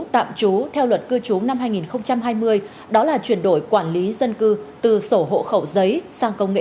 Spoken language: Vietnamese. tạm trú theo luật cư trú năm hai nghìn hai mươi đó là chuyển đổi quản lý dân cư từ sổ hộ khẩu giấy sang công nghệ